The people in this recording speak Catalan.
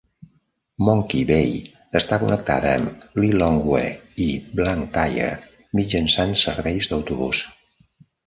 Monkey Bay està connectada amb Lilongwe i Blantyre mitjançant serveis d'autobús.